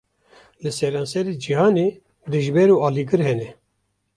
Li seranserê cîhanê, dijber û alîgir hene